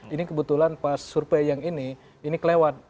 ini kebetulan pas survei yang ini ini kelewat